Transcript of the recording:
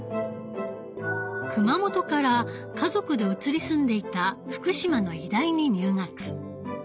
熊本から家族で移り住んでいた福島の医大に入学。